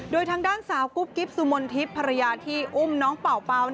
โดยทางด้านสาวกุ๊บกิ๊บสุมนทิพย์ภรรยาที่อุ้มน้องเป่า